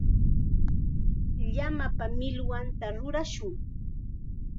Llamapa millwanta rutushun.